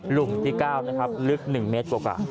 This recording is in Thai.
ลุมที่๙นะครับลึก๑เมตรกว่า